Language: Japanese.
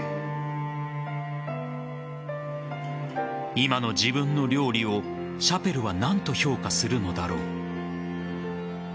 今の自分の料理をシャペルは何と評価するのだろう。